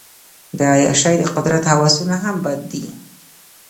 د عیاشۍ او قدرت هوسونه هم بد دي.